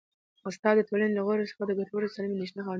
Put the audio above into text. استاد د ټولني له غړو څخه د ګټورو او سالمې اندېښنې خاوندان جوړوي.